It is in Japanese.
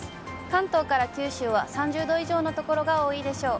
関東から九州は３０度以上の所が多いでしょう。